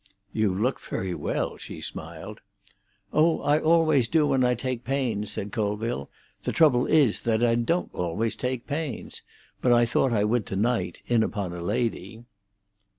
"You look very well," she smiled. "Oh, I always do when I take pains," said Colville. "The trouble is that I don't always take pains. But I thought I would to night, in upon a lady."